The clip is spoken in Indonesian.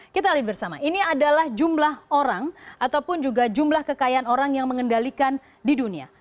kita lihat bersama ini adalah jumlah orang ataupun juga jumlah kekayaan orang yang mengendalikan di dunia